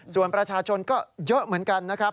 ส่วนประชาชนก็เยอะเหมือนกันนะครับ